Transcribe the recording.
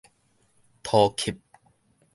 塗吸